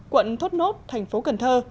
quận thốt nốt thành phố cần thơ